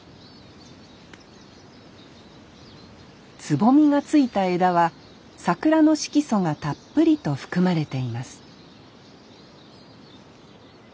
つぼみがついた枝は桜の色素がたっぷりと含まれています